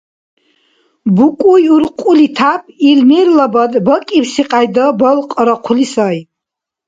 БукӀуй уркьули тяп ил мерлабад бакӀибси кьяйда балкьарахъули сай.